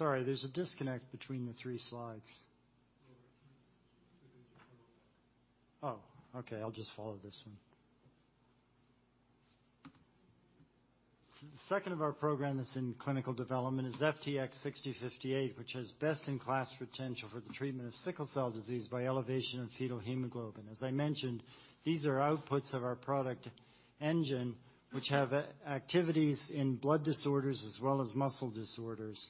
Sorry, there's a disconnect between the three slides. Oh, okay. I'll just follow this one. Second of our program that's in clinical development is FTX-6058, which has best-in-class potential for the treatment of sickle cell disease by elevation of fetal hemoglobin. As I mentioned, these are outputs of our product engine, which have activities in blood disorders as well as muscle disorders.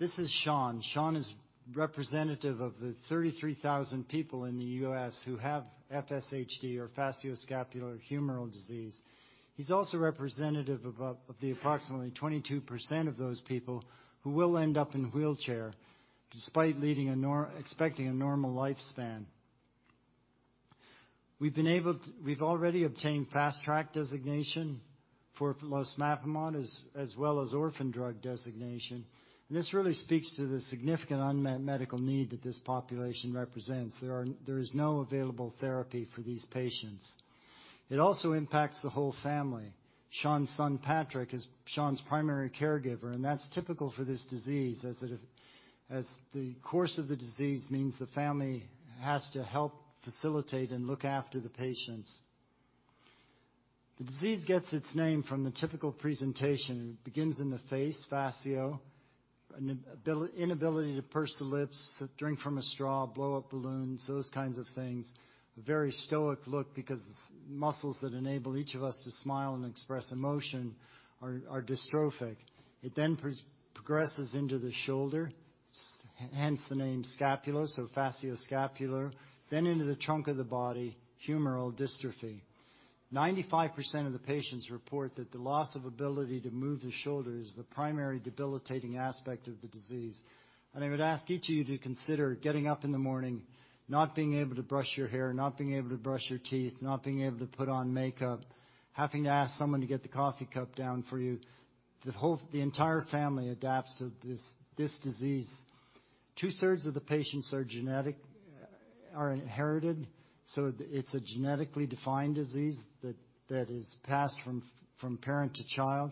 This is Sean. Sean is representative of the 33,000 people in the U.S. who have FSHD or facioscapulohumeral disease. He's also representative of the approximately 22% of those people who will end up in a wheelchair despite leading expecting a normal lifespan. We've already obtained Fast Track designation for losmapimod as well as Orphan Drug Designation. This really speaks to the significant unmet medical need that this population represents. There is no available therapy for these patients. It also impacts the whole family. Sean's son, Patrick, is Sean's primary caregiver, and that's typical for this disease, as the course of the disease means the family has to help facilitate and look after the patients. The disease gets its name from the typical presentation. It begins in the face, facio. An inability to purse the lips, to drink from a straw, blow up balloons, those kinds of things. A very stoic look because muscles that enable each of us to smile and express emotion are dystrophic. It then progresses into the shoulder, hence the name scapula, so facioscapular, then into the trunk of the body, humeral dystrophy. 95% of the patients report that the loss of ability to move the shoulder is the primary debilitating aspect of the disease. I would ask each of you to consider getting up in the morning, not being able to brush your hair, not being able to brush your teeth, not being able to put on makeup, having to ask someone to get the coffee cup down for you. The entire family adapts to this disease. Two-thirds of the patients are genetic, are inherited, so it's a genetically defined disease that is passed from parent to child.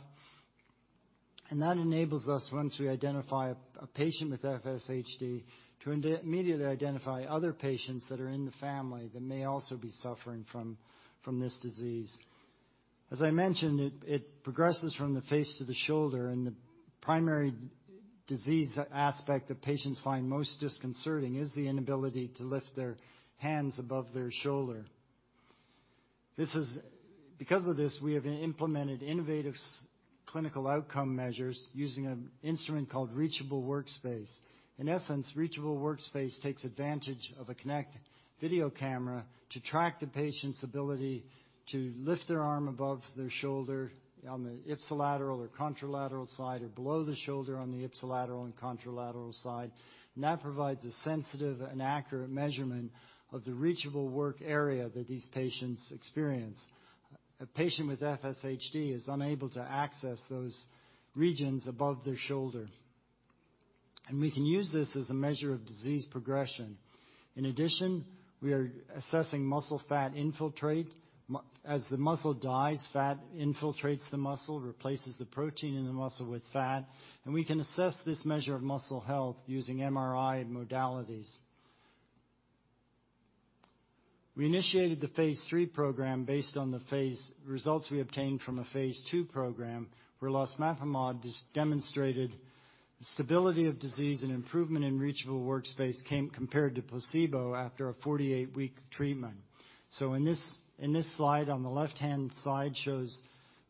That enables us, once we identify a patient with FSHD, to immediately identify other patients that are in the family that may also be suffering from this disease. As I mentioned, it progresses from the face to the shoulder, and the primary disease aspect that patients find most disconcerting is the inability to lift their hands above their shoulder. This is. Because of this, we have implemented innovative clinical outcome measures using an instrument called Reachable Workspace. In essence, Reachable Workspace takes advantage of a Kinect video camera to track the patient's ability to lift their arm above their shoulder on the ipsilateral or contralateral side or below the shoulder on the ipsilateral and contralateral side. That provides a sensitive and accurate measurement of the Reachable Work Area that these patients experience. A patient with FSHD is unable to access those regions above their shoulder. We can use this as a measure of disease progression. In addition, we are assessing muscle fat infiltrate. As the muscle dies, fat infiltrates the muscle, replaces the protein in the muscle with fat, and we can assess this measure of muscle health using MRI modalities. We initiated the phase III program. results we obtained from a phase II program where losmapimod just demonstrated stability of disease and improvement in Reachable Workspace compared to placebo after a 48-week treatment. In this slide, on the left-hand side shows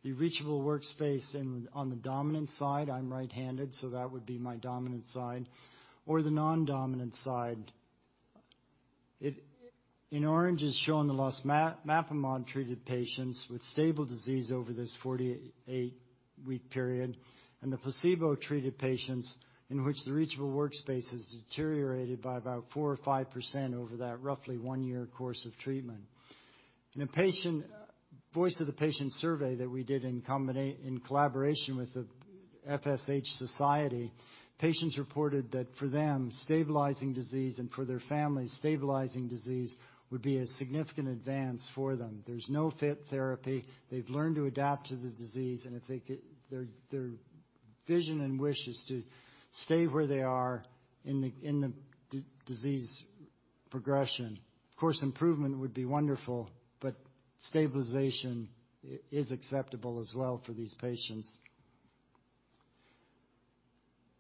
the Reachable Workspace on the dominant side. I'm right-handed, so that would be my dominant side or the non-dominant side. In orange, it's showing the losmapimod-treated patients with stable disease over this 48-week period, and the placebo-treated patients in which the Reachable Workspace has deteriorated by about 4% or 5% over that roughly 1-year course of treatment. In a patient voice of the patient survey that we did in collaboration with the FSHD Society, patients reported that for them, stabilizing disease and for their families, stabilizing disease would be a significant advance for them. There's no fit therapy. They've learned to adapt to the disease, and if they get... Their vision and wish is to stay where they are in the disease progression. Of course, improvement would be wonderful, but stabilization is acceptable as well for these patients.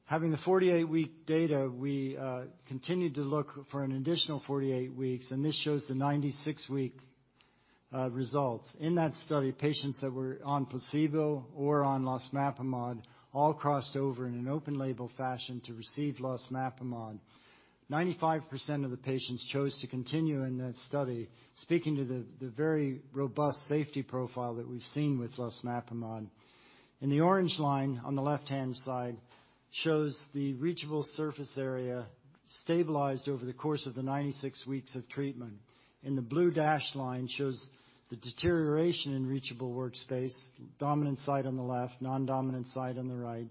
Having the 48-week data, we continued to look for an additional 48 weeks, and this shows the 96-week results. In that study, patients that were on placebo or on losmapimod all crossed over in an open label fashion to receive losmapimod. 95% of the patients chose to continue in that study, speaking to the very robust safety profile that we've seen with losmapimod. The orange line on the left-hand side shows the Reachable Surface Area stabilized over the course of the 96 weeks of treatment. The blue dashed line shows the deterioration in Reachable Workspace, dominant side on the left, non-dominant side on the right.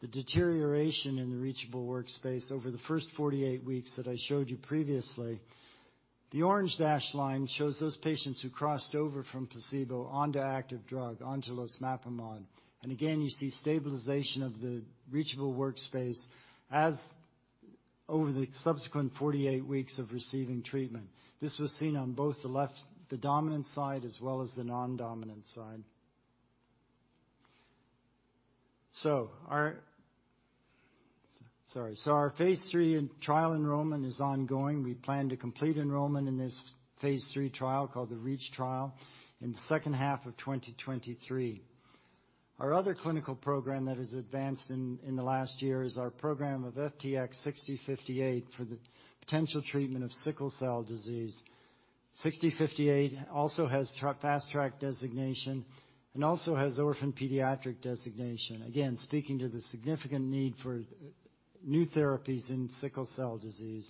The deterioration in the Reachable Workspace over the first 48 weeks that I showed you previously. The orange dashed line shows those patients who crossed over from placebo onto active drug, onto losmapimod. Again, you see stabilization of the Reachable Workspace as over the subsequent 48 weeks of receiving treatment. This was seen on both the left, the dominant side, as well as the non-dominant side. Sorry. Our phase III trial enrollment is ongoing. We plan to complete enrollment in this phase III trial, called the REACH trial, in the second half of 2023. Our other clinical program that has advanced in the last year is our program of FTX-6058 for the potential treatment of sickle cell disease. FTX-6058 also has Fast Track designation and also has Orphan Pediatric Designation. Again, speaking to the significant need for new therapies in sickle cell disease.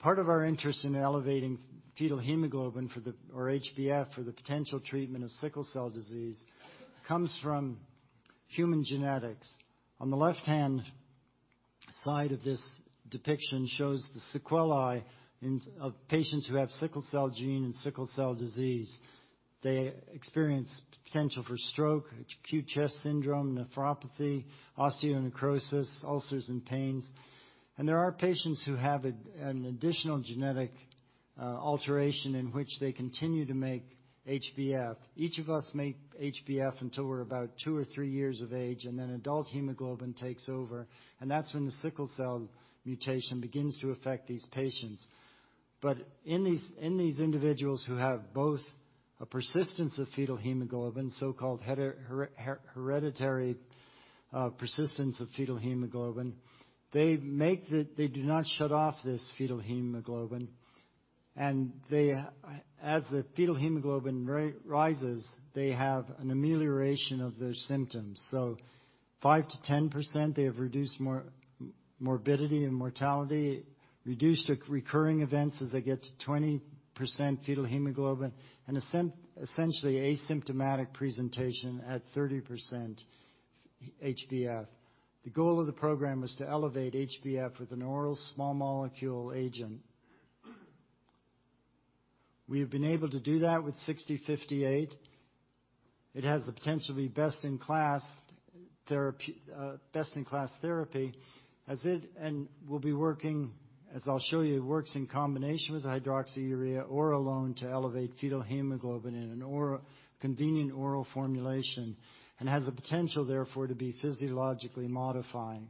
Part of our interest in elevating fetal hemoglobin for the, or HbF for the potential treatment of sickle cell disease comes from human genetics. On the left-hand side of this depiction shows the sequelae in, of patients who have sickle cell gene and sickle cell disease. They experience potential for stroke, acute chest syndrome, nephropathy, osteonecrosis, ulcers, and pains. There are patients who have a, an additional genetic alteration in which they continue to make HbF. Each of us make HbF until we're about 2 or 3 years of age, and then adult hemoglobin takes over, and that's when the sickle cell mutation begins to affect these patients. In these individuals who have both a persistence of fetal hemoglobin, so-called hereditary persistence of fetal hemoglobin, they do not shut off this fetal hemoglobin. As the fetal hemoglobin rises, they have an amelioration of their symptoms. 5%-10%, they have reduced morbidity and mortality, reduced recurring events as they get to 20% fetal hemoglobin, and essentially asymptomatic presentation at 30% HbF. The goal of the program was to elevate HbF with an oral small molecule agent. We have been able to do that with FTX-6058. It has the potentially best in class therapy as it will be working, as I'll show you, works in combination with hydroxyurea or alone to elevate fetal hemoglobin in a convenient oral formulation and has the potential therefore to be physiologically modifying.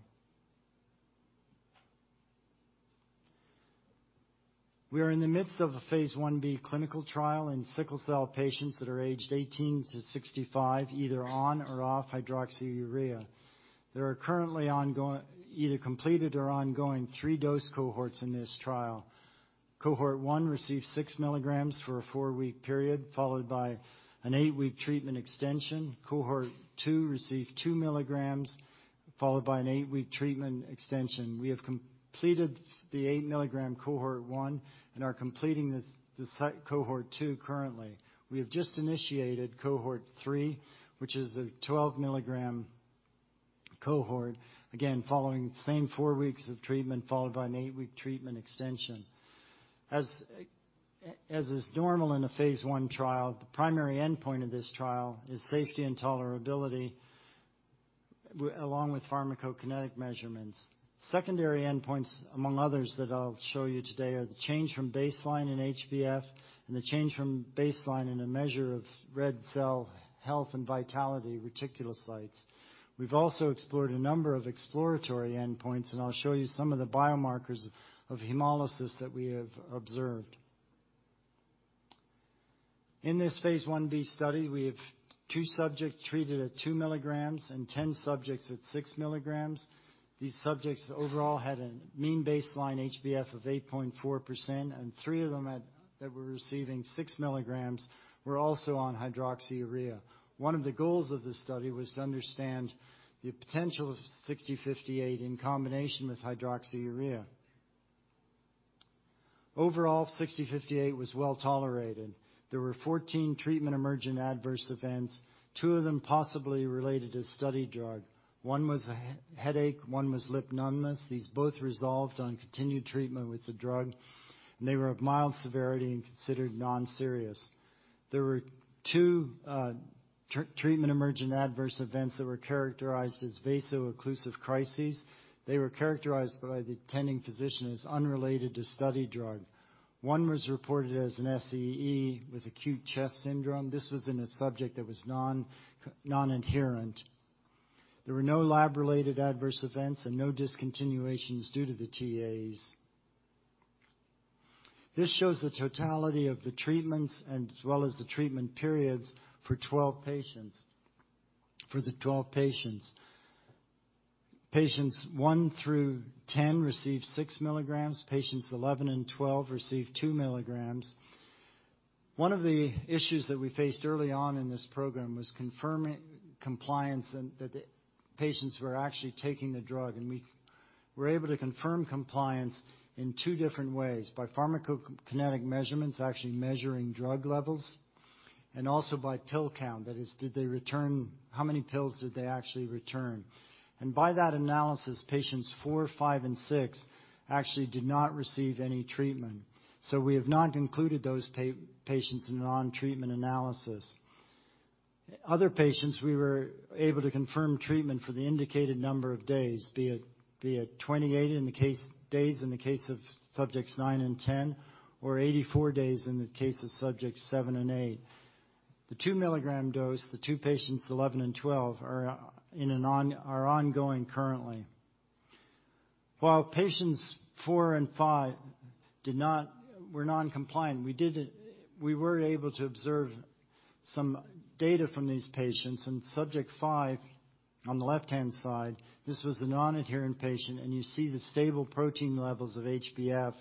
We are in the midst of a phase Ib clinical trial in sickle cell patients that are aged 18-65, either on or off hydroxyurea. There are currently ongoing, either completed or ongoing, 3 dose cohorts in this trial. Cohort 1 received 6 milligrams for a 4-week period, followed by an 8-week treatment extension. Cohort 2 received 2 milligrams, followed by an 8-week treatment extension. We have completed the 8-milligram Cohort 1 and are completing this, the site Cohort 2 currently. We have just initiated Cohort 3, which is the 12-milligram cohort. Again, following the same 4 weeks of treatment, followed by an 8-week treatment extension. As is normal in a phase I trial, the primary endpoint of this trial is safety and tolerability along with pharmacokinetic measurements. Secondary endpoints, among others that I'll show you today, are the change from baseline in HbF and the change from baseline in a measure of red cell health and vitality reticulocytes. We've also explored a number of exploratory endpoints, and I'll show you some of the biomarkers of hemolysis that we have observed. In this phase Ib study, we have 2 subjects treated at 2 milligrams and 10 subjects at 6 milligrams. These subjects overall had a mean baseline HbF of 8.4%, and 3 of them that were receiving 6 milligrams were also on hydroxyurea. One of the goals of this study was to understand the potential of FTX-6058 in combination with hydroxyurea. Overall, FTX-6058 was well tolerated. There were 14 Treatment-Emergent Adverse Events, 2 of them possibly related to study drug. One was a headache, one was lip numbness. These both resolved on continued treatment with the drug. They were of mild severity and considered non-serious. There were 2 treatment emergent adverse events that were characterized as vaso-occlusive crises. They were characterized by the attending physician as unrelated to study drug. One was reported as an SAE with acute chest syndrome. This was in a subject that was non-adherent. There were no lab-related adverse events and no discontinuations due to the TEAEs. This shows the totality of the treatments and as well as the treatment periods for 12 patients. Patients 1 through 10 received 6 milligrams. Patients 11 and 12 received 2 milligrams. One of the issues that we faced early on in this program was confirming compliance and that the patients were actually taking the drug. We were able to confirm compliance in 2 different ways, by pharmacokinetic measurements, actually measuring drug levels. Also by pill count, that is, did they return how many pills did they actually return? By that analysis, patients 4, 5, and 6 actually did not receive any treatment. We have not included those patients in on-treatment analysis. Other patients, we were able to confirm treatment for the indicated number of days, be it 28 in the case days in the case of subjects 9 and 10, or 84 days in the case of subjects 7 and 8. The 2-milligram dose, the 2 patients 11 and 12 are ongoing currently. While patients 4 and 5 were noncompliant, we were able to observe some data from these patients and subject 5 on the left-hand side, this was the non-adherent patient, you see the stable protein levels of HbF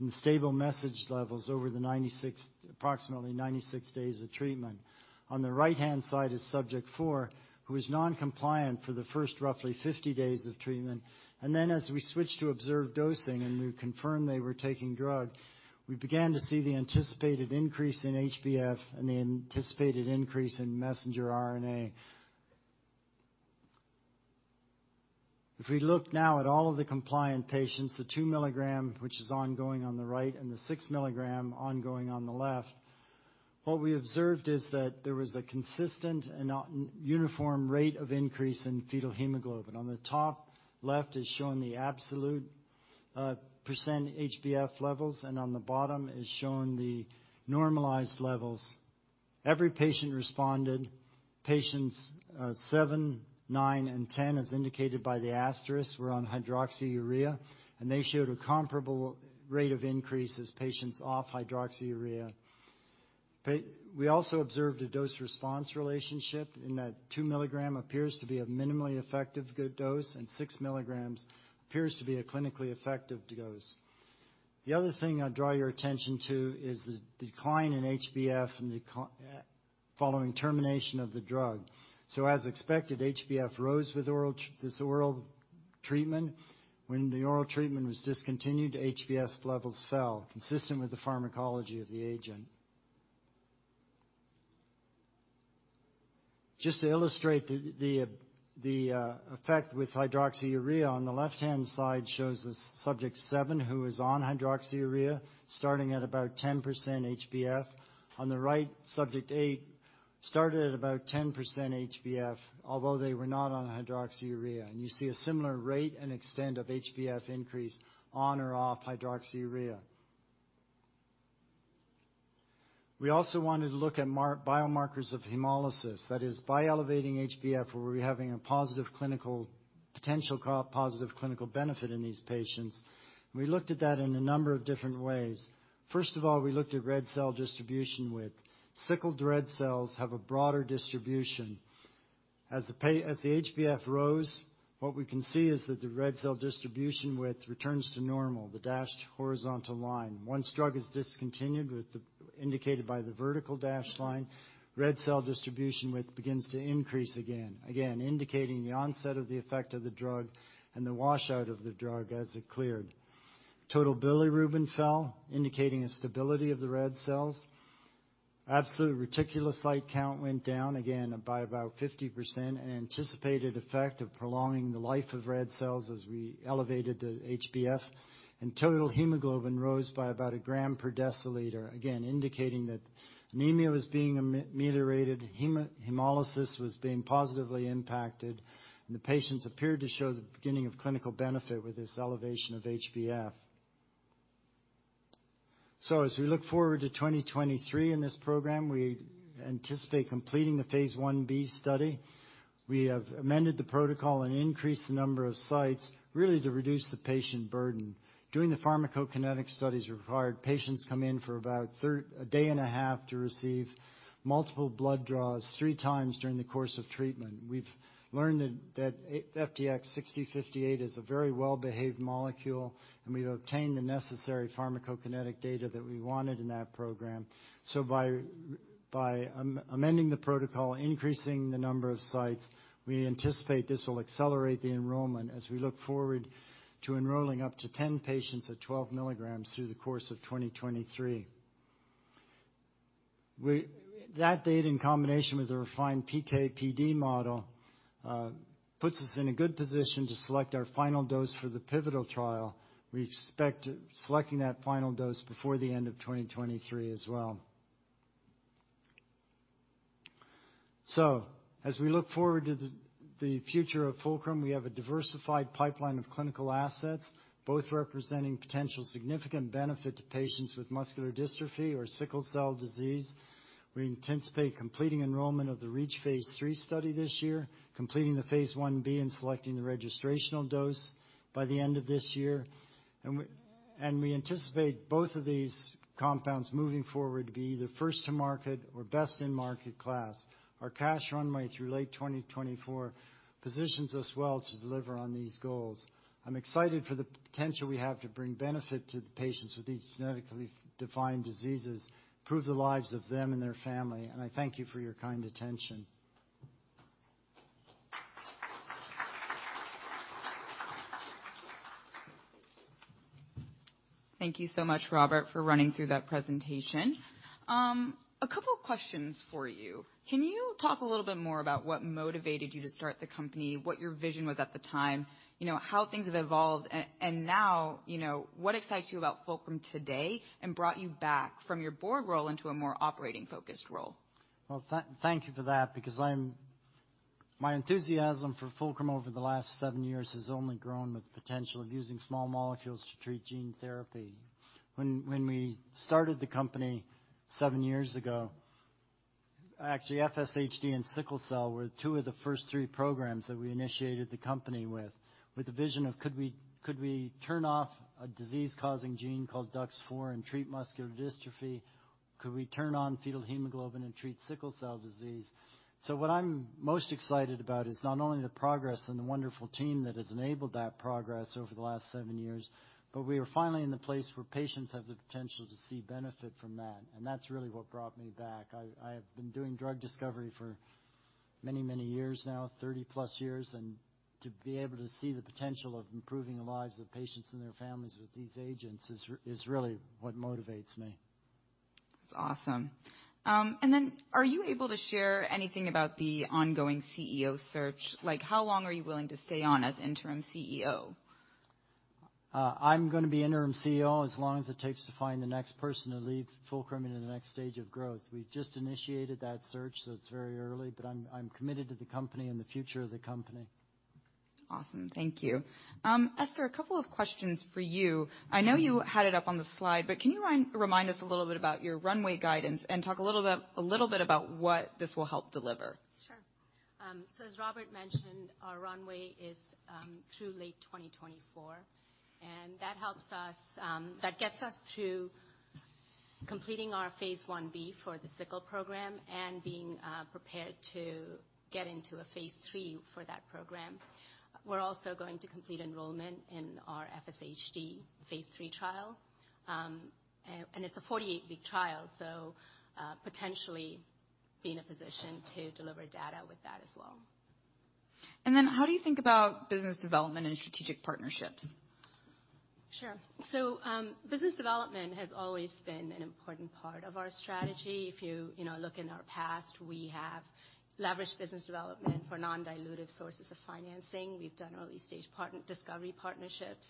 and the stable message levels over the approximately 96 days of treatment. On the right-hand side is subject 4, who is noncompliant for the first roughly 50 days of treatment. As we switched to observed dosing and we confirmed they were taking drug, we began to see the anticipated increase in HbF and the anticipated increase in messenger RNA. If we look now at all of the compliant patients, the 2 milligram, which is ongoing on the right, and the 6 milligram ongoing on the left, what we observed is that there was a consistent and not uniform rate of increase in fetal hemoglobin. On the top left is shown the absolute % HbF levels. On the bottom is shown the normalized levels. Every patient responded. Patients 7, 9, and 10, as indicated by the asterisks, were on hydroxyurea. They showed a comparable rate of increase as patients off hydroxyurea. We also observed a dose-response relationship in that 2 milligram appears to be a minimally effective good dose. 6 milligrams appears to be a clinically effective dose. The other thing I'll draw your attention to is the decline in HbF following termination of the drug. As expected, HbF rose with this oral treatment. When the oral treatment was discontinued, HbF levels fell, consistent with the pharmacology of the agent. Just to illustrate the effect with hydroxyurea, on the left-hand side shows the subject 7 who is on hydroxyurea starting at about 10% HbF. On the right, subject 8 started at about 10% HbF, although they were not on hydroxyurea. You see a similar rate and extent of HbF increase on or off hydroxyurea. We also wanted to look at biomarkers of hemolysis. That is, by elevating HbF, were we having a positive clinical benefit in these patients? We looked at that in a number of different ways. First of all, we looked at red cell distribution with sickled red cells have a broader distribution. As the HbF rose, what we can see is that the red cell distribution width returns to normal, the dashed horizontal line. Once drug is discontinued, indicated by the vertical dashed line, red cell distribution width begins to increase again. Indicating the onset of the effect of the drug and the washout of the drug as it cleared. Total bilirubin fell, indicating a stability of the red cells. Absolute reticulocyte count went down again by about 50%, an anticipated effect of prolonging the life of red cells as we elevated the HbF. Total hemoglobin rose by about 1 gram per deciliter, again, indicating that anemia was being mitigated, hemolysis was being positively impacted, and the patients appeared to show the beginning of clinical benefit with this elevation of HbF. As we look forward to 2023 in this program, we anticipate completing the phase Ib study. We have amended the protocol and increased the number of sites really to reduce the patient burden. During the pharmacokinetic studies required, patients come in for about a day and a half to receive multiple blood draws 3 times during the course of treatment. We've learned that FTX-6058 is a very well-behaved molecule, and we've obtained the necessary pharmacokinetic data that we wanted in that program. By amending the protocol, increasing the number of sites, we anticipate this will accelerate the enrollment as we look forward to enrolling up to 10 patients at 12 milligrams through the course of 2023. That data in combination with the refined PK/PD model puts us in a good position to select our final dose for the pivotal trial. We expect selecting that final dose before the end of 2023 as well. As we look forward to the future of Fulcrum, we have a diversified pipeline of clinical assets, both representing potential significant benefit to patients with muscular dystrophy or sickle cell disease. We anticipate completing enrollment of the REACH phase III study this year, completing the phase Ib and selecting the registrational dose by the end of this year. We anticipate both of these compounds moving forward to be either first to market or best in market class. Our cash runway through late 2024 positions us well to deliver on these goals. I'm excited for the potential we have to bring benefit to the patients with these genetically defined diseases, improve the lives of them and their family, and I thank you for your kind attention. Thank you so much, Robert, for running through that presentation. A couple questions for you. Can you talk a little bit more about what motivated you to start the company, what your vision was at the time, you know, how things have evolved, now, you know, what excites you about Fulcrum today and brought you back from your board role into a more operating-focused role? Thank you for that because my enthusiasm for Fulcrum over the last seven years has only grown with the potential of using small molecules to treat gene therapy. When we started the company seven years ago, actually FSHD and sickle cell were two of the first three programs that we initiated the company with the vision of could we turn off a disease-causing gene called DUX4 and treat muscular dystrophy? Could we turn on fetal hemoglobin and treat sickle cell disease? What I'm most excited about is not only the progress and the wonderful team that has enabled that progress over the last seven years, but we are finally in the place where patients have the potential to see benefit from that, and that's really what brought me back. I have been doing drug discovery for many, many years now, 30-plus years, and to be able to see the potential of improving the lives of patients and their families with these agents is really what motivates me. That's awesome. Are you able to share anything about the ongoing CEO search? Like, how long are you willing to stay on as interim CEO? I'm gonna be interim CEO as long as it takes to find the next person to lead Fulcrum into the next stage of growth. We've just initiated that search, so it's very early, but I'm committed to the company and the future of the company. Awesome. Thank you. Esther, a couple of questions for you. I know you had it up on the slide, but can you remind us a little bit about your runway guidance and talk a little bit about what this will help deliver? Sure. As Robert mentioned, our runway is through late 2024, and that helps us that gets us to completing our phase Ib for the sickle program and being prepared to get into a phase III for that program. We're also going to complete enrollment in our FSHD phase III trial, and it's a 48-week trial, so potentially be in a position to deliver data with that as well. How do you think about business development and strategic partnerships? Sure. Business development has always been an important part of our strategy. If you know, look in our past, we have leveraged business development for non-dilutive sources of financing. We've done early-stage discovery partnerships.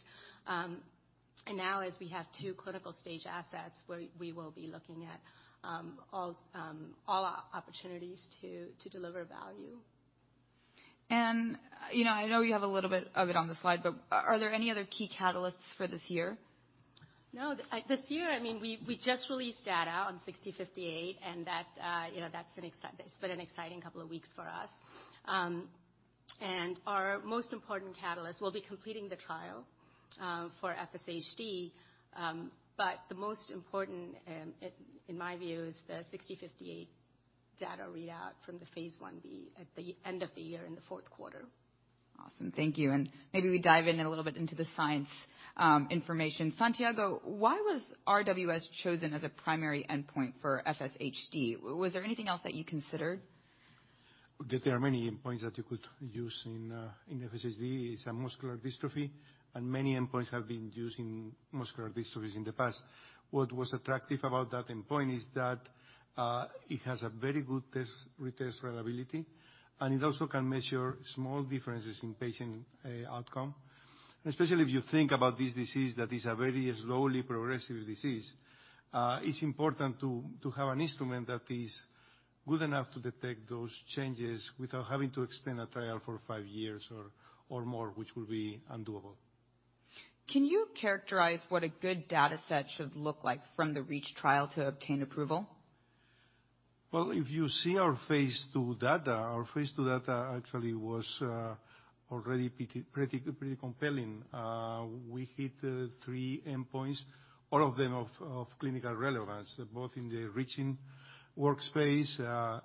Now as we have two clinical stage assets, we will be looking at all opportunities to deliver value. you know, I know you have a little bit of it on the slide, but are there any other key catalysts for this year? No. This year, we just released data on FTX-6058, and that, you know, it's been an exciting couple of weeks for us. Our most important catalyst will be completing the trial for FSHD. The most important, in my view, is the FTX-6058 data readout from the phase Ib at the end of the year in the fourth quarter. Awesome. Thank you. Maybe we dive in a little bit into the science information. Santiago, why was RWS chosen as a primary endpoint for FSHD? Was there anything else that you considered? There are many endpoints that you could use in FSHD. It's a muscular dystrophy, and many endpoints have been used in muscular dystrophies in the past. What was attractive about that endpoint is that it has a very good test-retest reliability, and it also can measure small differences in patient outcome. Especially if you think about this disease that is a very slowly progressive disease, it's important to have an instrument that is good enough to detect those changes without having to extend a trial for five years or more, which will be undoable. Can you characterize what a good dataset should look like from the REACH trial to obtain approval? Well, if you see our phase II data, our phase II data actually was already pretty compelling. We hit three endpoints, all of them of clinical relevance, both in the Reachable Workspace,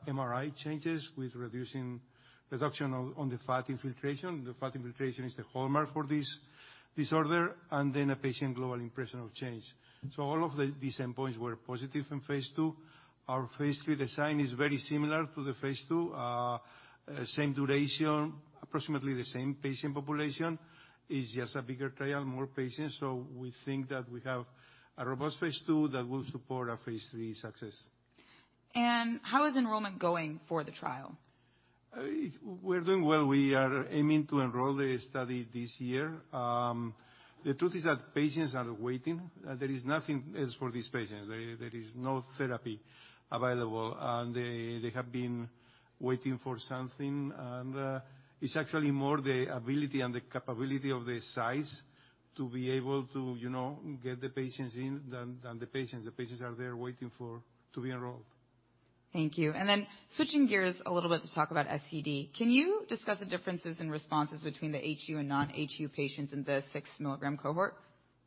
MRI changes with reducing reduction on the fat infiltration. The fat infiltration is the hallmark for this disorder, and then a Patient Global Impression of Change. All of these endpoints were positive in phase II. Our phase III design is very similar to the phase II. Same duration, approximately the same patient population. It's just a bigger trial, more patients. We think that we have a robust phase II that will support our phase III success. How is enrollment going for the trial? We're doing well. We are aiming to enroll the study this year. The truth is that patients are waiting. There is nothing else for these patients. There is no therapy available, and they have been waiting for something. It's actually more the ability and the capability of the size to be able to, you know, get the patients in than the patients. The patients are there waiting for to be enrolled. Thank you. Then switching gears a little bit to talk about SCD, can you discuss the differences in responses between the HU and non-HU patients in the six-milligram cohort?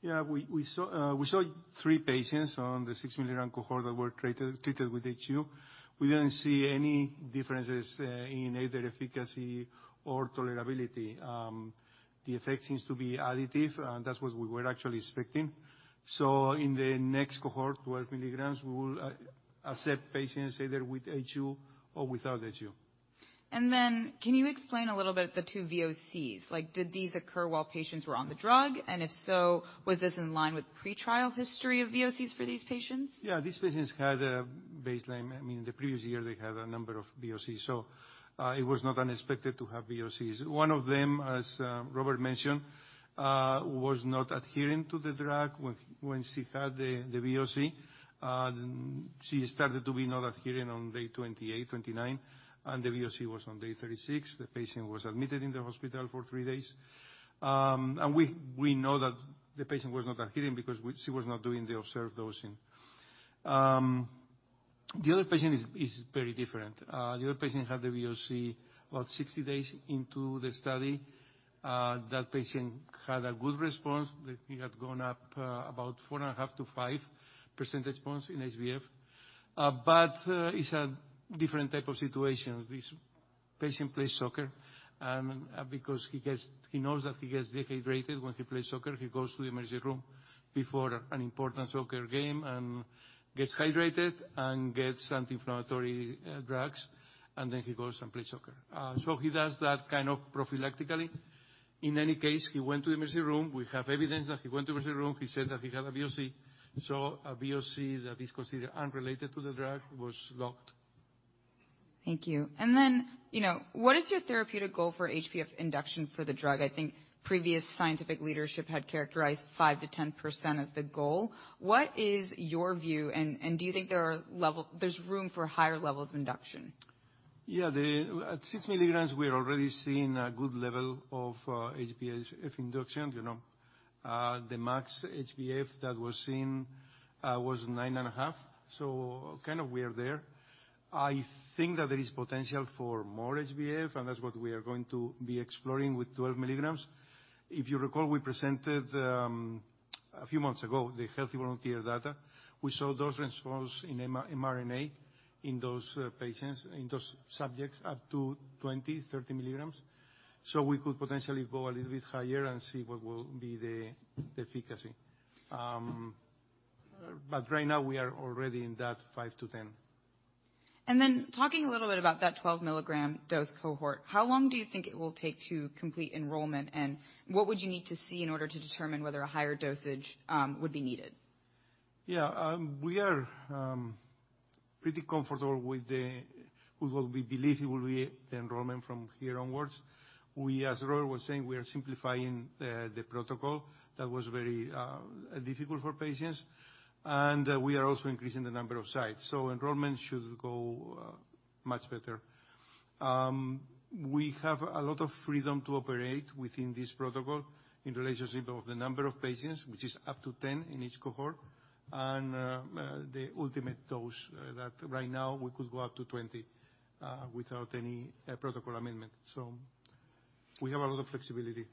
Yeah. We saw three patients on the six-milligram cohort that were treated with HU. We didn't see any differences in either efficacy or tolerability. The effect seems to be additive, and that's what we were actually expecting. In the next cohort, 12 milligrams, we will accept patients either with HU or without HU. Can you explain a little bit the two VOCs? Like, did these occur while patients were on the drug? And if so, was this in line with pretrial history of VOCs for these patients? These patients had a baseline. I mean, in the previous year they had a number of VOC. It was not unexpected to have VOCs. One of them, as Robert mentioned, was not adhering to the drug when she had the VOC. She started to be not adhering on day 28, 29, and the VOC was on day 36. The patient was admitted in the hospital for 3 days. We know that the patient was not adhering because she was not doing the observed dosing. The other patient is very different. The other patient had the VOC about 60 days into the study. That patient had a good response. He had gone up about 4.5%-5% response in HbF. It's a different type of situation. This patient plays soccer because he knows that he gets dehydrated when he plays soccer, he goes to the emergency room before an important soccer game and gets hydrated and gets anti-inflammatory drugs, and then he goes and plays soccer. He does that kind of prophylactically. In any case, he went to the emergency room. We have evidence that he went to emergency room. He said that he had a VOC. A VOC that is considered unrelated to the drug was logged. Thank you. Then, you know, what is your therapeutic goal for HbF induction for the drug? I think previous scientific leadership had characterized 5%-10% as the goal. What is your view, and do you think there's room for higher levels of induction? Yeah. At 6 milligrams, we are already seeing a good level of HbF induction. You know, the max HbF that was seen was nine and a half, so kind of we are there. I think that there is potential for more HbF, and that's what we are going to be exploring with 12 milligrams. If you recall, we presented a few months ago the healthy volunteer data. We saw dose response in MRNA in those patients, in those subjects up to 20, 30 milligrams. We could potentially go a little bit higher and see what will be the efficacy. Right now we are already in that 5 to 10. Talking a little bit about that 12-milligram dose cohort, how long do you think it will take to complete enrollment, and what would you need to see in order to determine whether a higher dosage would be needed? We are pretty comfortable with what we believe it will be the enrollment from here onwards. We, as Robert was saying, we are simplifying the protocol that was very difficult for patients, and we are also increasing the number of sites. Enrollment should go much better. We have a lot of freedom to operate within this protocol in relationship of the number of patients, which is up to 10 in each cohort and the ultimate dose that right now we could go up to 20 without any protocol amendment. We have a lot of flexibility.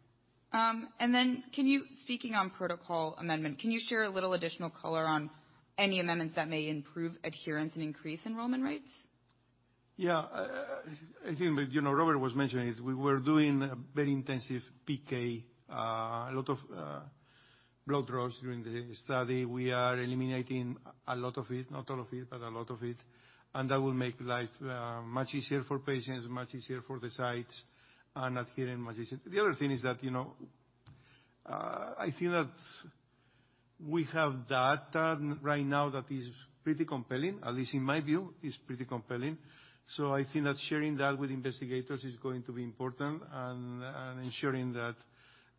Speaking on protocol amendment, can you share a little additional color on any amendments that may improve adherence and increase enrollment rates? Yeah. I think, you know, Robert was mentioning it. We were doing a very intensive PK, a lot of blood draws during the study. We are eliminating a lot of it. Not all of it, but a lot of it. That will make life much easier for patients, much easier for the sites, and adhering much easier. The other thing is that, you know, I think that we have data right now that is pretty compelling, at least in my view, is pretty compelling. I think that sharing that with investigators is going to be important and ensuring that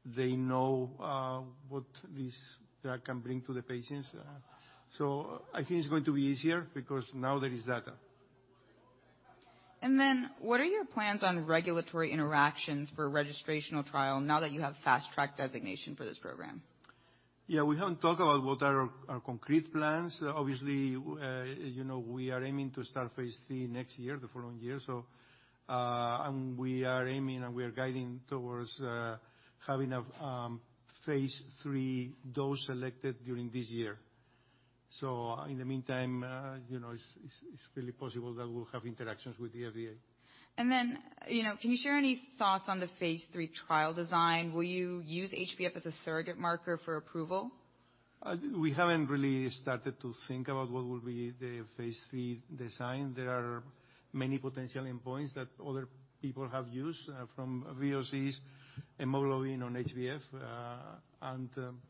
they know what this drug can bring to the patients. I think it's going to be easier because now there is data. What are your plans on regulatory interactions for registrational trial now that you have Fast Track designation for this program? Yeah. We haven't talked about what are our concrete plans. Obviously, you know, we are aiming to start phase III next year, the following year. And we are aiming and we are guiding towards, having a, phase III dose selected during this year. In the meantime, you know, it's, it's really possible that we'll have interactions with the FDA. You know, can you share any thoughts on the phase III trial design? Will you use HbF as a surrogate marker for approval? We haven't really started to think about what will be the phase III design. There are many potential endpoints that other people have used, from VOCs and hemoglobin on HbF.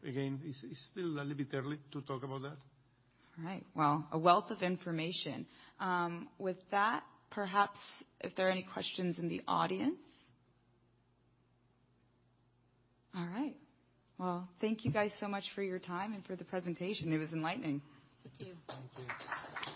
Again, it's still a little bit early to talk about that. All right. Well, a wealth of information. With that, perhaps if there are any questions in the audience? All right. Well, thank you guys so much for your time and for the presentation. It was enlightening. Thank you. Thank you. Thank you. Thank you.